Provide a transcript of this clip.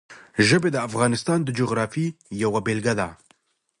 ژبې د افغانستان د جغرافیې یوه بېلګه ده.